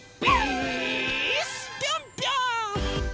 ぴょんぴょん！